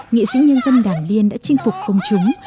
nghệ sĩ nhân dân đàm liên đã chinh phục công chúng